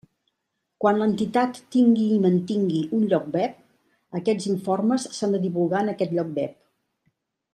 Quan l'entitat tingui i mantingui un lloc web, aquests informes s'han de divulgar en aquest lloc web.